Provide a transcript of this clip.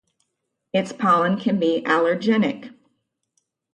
Its pollen can be allergenic.